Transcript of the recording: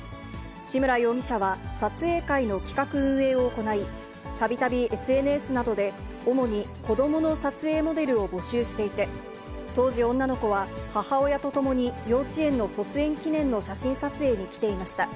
志村容疑者は撮影会の企画運営を行い、たびたびＳＮＳなどで、主に子どもの撮影モデルを募集していて、当時、女の子は母親と共に幼稚園の卒園記念の写真撮影に来ていました。